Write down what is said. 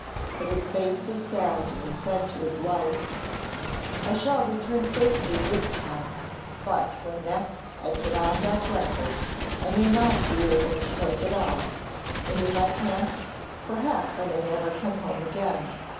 But his face was sad and he said to his wife: 'I shall return safely this time, but when next I put on that blanket I may not be able to take it off, and if I can't, perhaps I may never come home again.